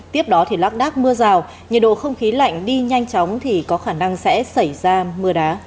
tiếp đó thì lắc đắc mưa rào nhiệt độ không khí lạnh đi nhanh chóng thì có khả năng sẽ xảy ra mưa đá